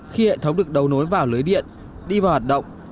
khi hệ thống được đầu nối vào lưới điện đi vào hoạt động